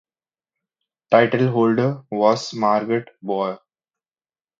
Title holder was Margot Boer.